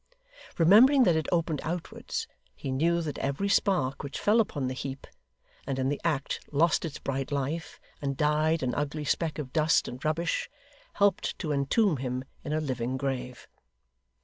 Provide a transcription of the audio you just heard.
Remembering that it opened outwards, he knew that every spark which fell upon the heap, and in the act lost its bright life, and died an ugly speck of dust and rubbish, helped to entomb him in a living grave.